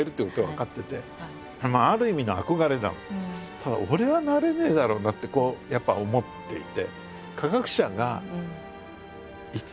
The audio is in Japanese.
ただ俺はなれねえだろうなってこうやっぱ思っていて。